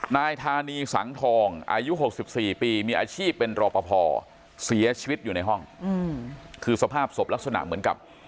นายธานีสังทองอายุ๖๔ปีมีอาชีพเป็นรอปภเสียชีวิตอยู่ในห้องคือสภาพศพลักษณะเหมือนกับ